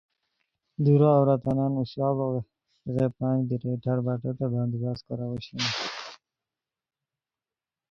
دُورو عوراتان اوشاڑو غیپھان بیریئے ٹربرٹوتے بندوبست کوراؤ اوشونی